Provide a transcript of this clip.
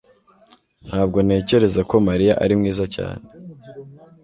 Ntabwo ntekereza ko mariya ari mwiza cyane